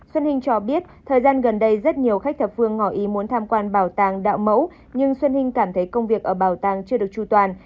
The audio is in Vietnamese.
xuân hình cho biết thời gian gần đây rất nhiều khách thập phương ngỏ ý muốn tham quan bảo tàng đạo mẫu nhưng xuân hinh cảm thấy công việc ở bảo tàng chưa được tru toàn